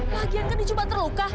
lagian kan dicoba terluka